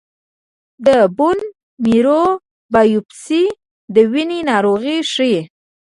د بون میرو بایوپسي د وینې ناروغۍ ښيي.